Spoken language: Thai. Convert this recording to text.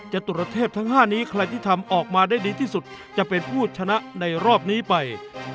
จตุรเทพทั้ง๕นี้ใครที่ทำออกมาได้ดีที่สุดจะเป็นผู้ชนะในรอบนี้ไป